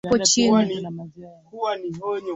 Fedha na Uwekezaji huko Californi Kitabu hiki ni